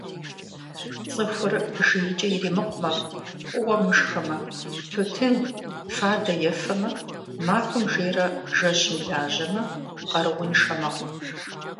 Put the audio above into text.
Цӏыхур жейкӀэ иримыкъумэ, фӏыуэ мышхэмэ, тутын, фадэ ефэмэ, махуэм жейрэ жэщым лажьэмэ къарууншэ мэхъу.